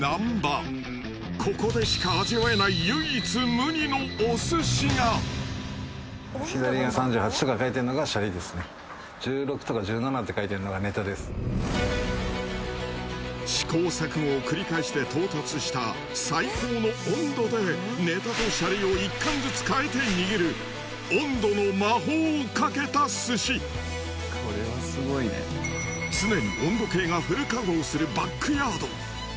ここでしか味わえない試行錯誤を繰り返して到達した最高の温度でネタとシャリを一貫ずつ変えて握る温度の魔法をかけた鮨常に温度計がフル稼働するバックヤード